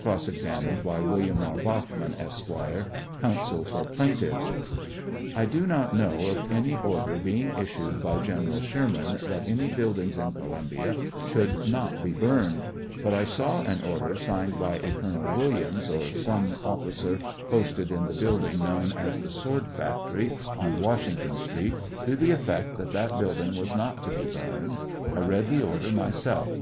Cross examined by Wm. E. Bachman, Esq., Counsel for plaintiffs : I do not know of any order being issued by General Sherman that any buildings in Columbia should not be burned; biit Isaw an order signed by a Colonel Williams, or some officer posted in the building known as the " Sword Factory," on Washington Street, to the effect 16 that that building was not to be burned ; I read the order myself.